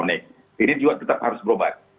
nah ini juga tetap harus berobat